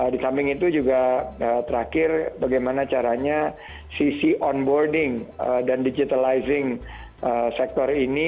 di samping itu juga terakhir bagaimana caranya sisi onboarding dan digitalizing sektor ini